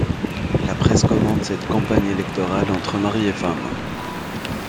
La presse commente cette campagne électorale entre mari et femme.